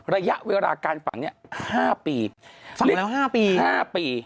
ระยะเวลาการฝังเนี่ย๕ปีเรียก๕ปี๕ปี